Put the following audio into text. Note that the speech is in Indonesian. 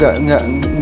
kalau dia ngomongin ini